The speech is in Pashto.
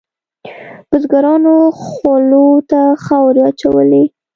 بزګرانو خولو ته خاورې واچولې.